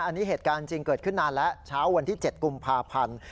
อันนี้เหตุการณ์จริงเกิดขึ้นนานแล้วเช้าวันที่๗กุมภาพันธ์